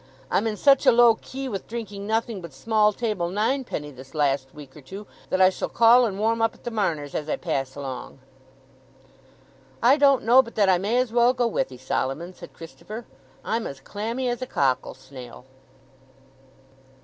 I'm in such a low key with drinking nothing but small table ninepenny this last week or two that I shall call and warm up at the Mar'ners as I pass along." "I don't know but that I may as well go with 'ee, Solomon," said Christopher; "I'm as clammy as a cockle snail."